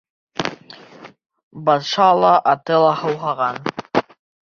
Батша ла, аты ла һыуһаған.